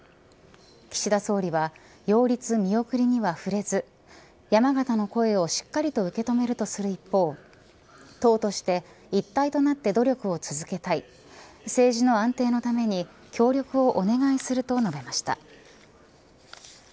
岸田総理は擁立見送りには触れず山形の声をしっかりと受け止めるとする一方党として一体となって努力を続けたい政治の安定のために協力をお願いすると述べました。